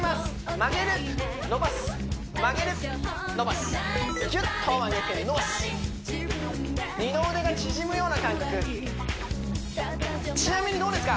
曲げる伸ばす曲げる伸ばすギュッと曲げて伸ばす二の腕が縮むような感覚ちなみにどうですか？